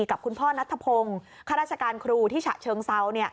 กับคุณพ่อนัทธพงศ์ข้าราชการครูที่ฉะเชิงเซา